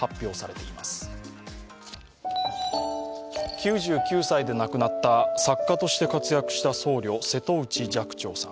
９９歳で亡くなった作家として活躍した僧侶、瀬戸内寂聴さん。